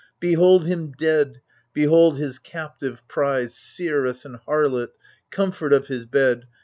Behold him dead — behold his captive prize, Seeress and harlot — comfort of his bed.